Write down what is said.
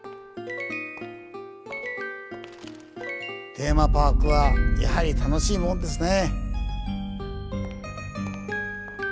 テーマパークはやはり楽しいもんですね。